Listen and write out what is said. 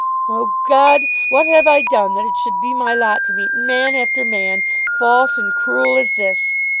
"Oh, God! what have I done that it should be my lot to meet man after man false and cruel as this!